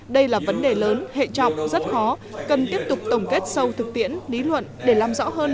đây là vấn đề lớn hệ trọng rất khó cần tiếp tục tổng kết sâu thực tiễn lý luận để làm rõ hơn